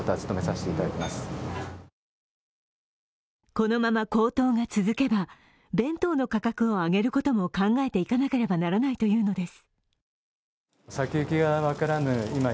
このまま高騰が続けば、弁当の価格を上げることも考えていかなければならないというのです。